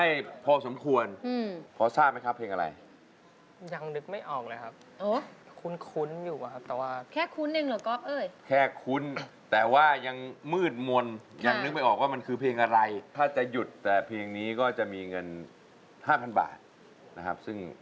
มีความรู้สึกว่ามีความรู้สึกว่ามีความรู้สึกว่ามีความรู้สึกว่ามีความรู้สึกว่ามีความรู้สึกว่ามีความรู้สึกว่ามีความรู้สึกว่ามีความรู้สึกว่ามีความรู้สึกว่ามีความรู้สึกว่ามีความรู้สึกว่ามีความรู้สึกว่ามีความรู้สึกว่ามีความรู้สึกว่ามีความรู้สึกว